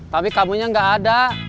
tapi kamu nya gak ada